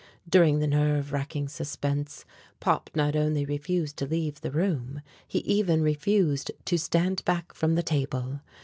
During the nerve racking suspense Pop not only refused to leave the room, he even refused to stand back from the table.